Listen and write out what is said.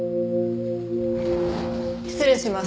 失礼します。